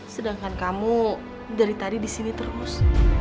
sedangkan kamu dari tari di sini terus